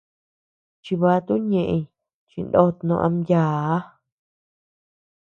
Chibatu ñéʼen chinót no ama yââ.